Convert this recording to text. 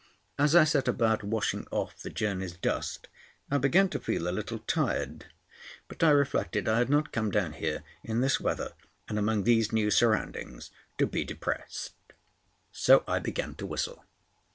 As I set about washing off the journey's dust, I began to feel a little tired. But, I reflected, I had not come down here in this weather and among these new surroundings to be depressed; so I began to whistle.